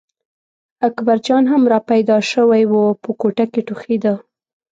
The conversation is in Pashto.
اکبرجان هم را پیدا شوی و په کوټه کې ټوخېده.